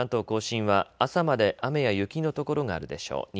甲信は朝まで雨や雪の所があるでしょう。